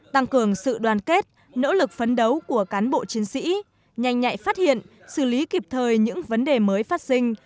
tăng cường sự đoàn kết nỗ lực phấn đấu của cán bộ chiến sĩ nhanh nhạy phát hiện xử lý kịp thời những vấn đề mới phát sinh